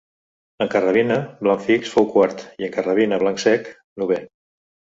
En carrabina, blanc fix fou quart i en carrabina, blanc cec novè.